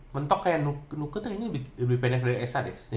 mentok kayak nuke nuke tadi ini lebih pendek dari sa deh